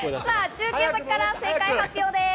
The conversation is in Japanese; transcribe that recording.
中継先から正解発表です。